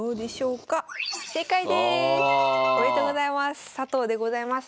おめでとうございます。